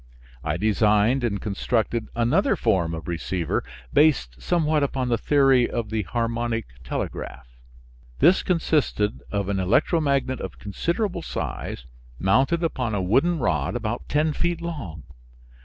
I designed and constructed another form of receiver, based somewhat upon the theory of the harmonic telegraph. This consisted of an electromagnet of considerable size, mounted upon a wooden rod about ten feet long.